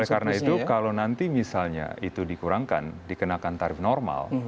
oleh karena itu kalau nanti misalnya itu dikurangkan dikenakan tarif normal